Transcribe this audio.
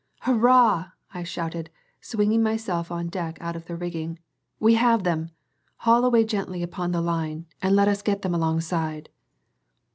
"Hurrah!" I shouted, swinging myself on deck out of the rigging. "We have them! Haul away gently upon the line, and let us get them alongside."